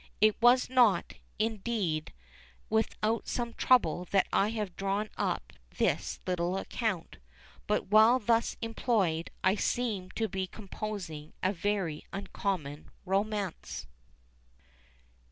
It was not, indeed, without some trouble that I have drawn up this little account; but while thus employed, I seemed to be composing a very uncommon romance.